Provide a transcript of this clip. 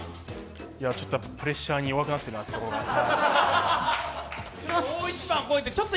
やっぱりプレッシャーに弱くなってるなと。